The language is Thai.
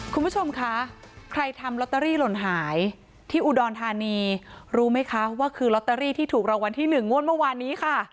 คุณผู้ชมคะใครทำลอตเตอรี่หล่นหายที่อุดรธานีรู้ไหมคะว่าคือลอตเตอรี่ที่ถูกรางวัลที่๑งวดเมื่อวานนี้ค่ะ